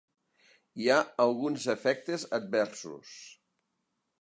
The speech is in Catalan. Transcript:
Hi ha alguns efectes adversos.